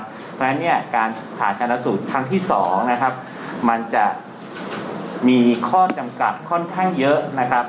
เพราะฉะนั้นเนี่ยการผ่าชนะสูตรครั้งที่๒นะครับมันจะมีข้อจำกัดค่อนข้างเยอะนะครับ